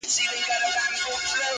تسلیت لره مي راسی لږ یې غم را سره یوسی,